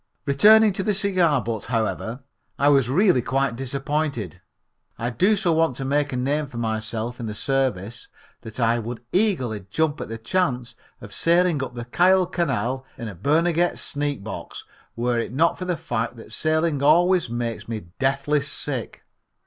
Returning to the cigar butt, however, I was really quite disappointed. I do so want to make a name for myself in the service that I would eagerly jump at the chance of sailing up the Kiel canal in a Barnegat Sneak Box were it not for the fact that sailing always makes me deathly sick.